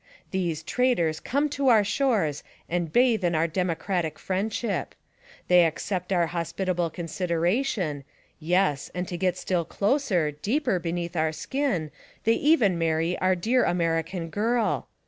These traitors come to our shores and bathe in our democratic friendship; they accept our hospitable consideration, yes — and to get still closer, deeper beneath our skin, they even marry our dear American Girl.